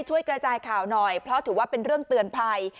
ช่วยกระจายข่าวหน่อยเพราะถือว่าเป็นเรื่องเตือนภัย